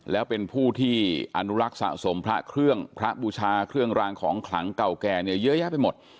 แล้วเป็นผู้ที่อนุรักษ์สะสมพระเครื่องพระบูชาเครื่องรางของขลังเก่าแก่เนี่ยเยอะแยะไปหมด